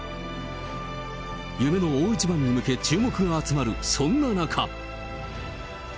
夢の大一番に向け、注目が集まるそんな中。